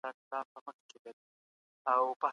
هغوی له پخوا راهیسې د زغم تمرین کوي.